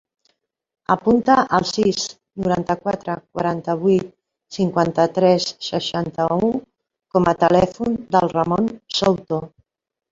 Apunta el sis, noranta-quatre, quaranta-vuit, cinquanta-tres, seixanta-u com a telèfon del Ramon Souto.